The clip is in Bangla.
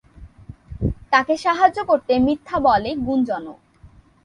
তাকে সাহায্য করতে মিথ্যা বলে গুঞ্জনও।